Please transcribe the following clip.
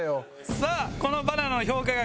さあこのバナナの評価額